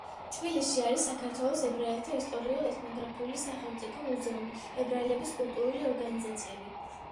თბილისში არის საქართველოს ებრაელთა ისტორიულ-ეთნოგრაფიული სახელმწიფო მუზეუმი, ებრაელების კულტურული ორგანიზაციები.